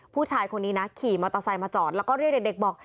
ผู้ชายคนนี้นะขี่มอเตอร์ไซค์มาจอดแล้วก็เรียกเด็กบอก